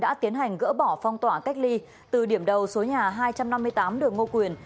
đã tiến hành gỡ bỏ phong tỏa cách ly từ điểm đầu số nhà hai trăm năm mươi tám đường ngô quyền